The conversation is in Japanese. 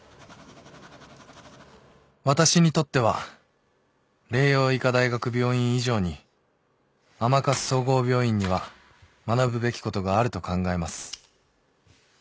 「私にとっては麗洋医科大学病院以上に甘春総合病院には学ぶべきことがあると考えます」